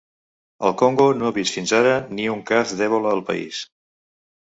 El Congo no ha vist fins ara ni un cas d'Ebola al país